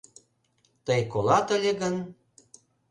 Тый колат ыле гын